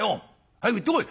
早く行ってこい！」。